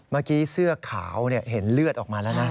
เมื่อกี้เสื้อขาวเห็นเลือดออกมาแล้วนะ